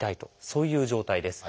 そういう状態です。